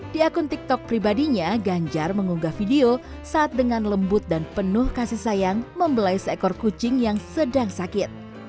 di akun tiktok pribadinya ganjar mengunggah video saat dengan lembut dan penuh kasih sayang membelai seekor kucing yang sedang sakit